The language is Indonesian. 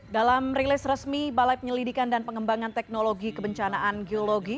dalam rilis resmi balai penyelidikan dan pengembangan teknologi kebencanaan geologi